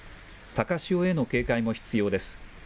高潮への警戒も必要です。